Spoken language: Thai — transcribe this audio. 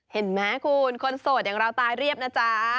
เห็นไหมคุณคนโสดอย่างเราตายเรียบนะจ๊ะ